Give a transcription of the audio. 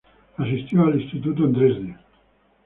Asistió al instituto en Dresde.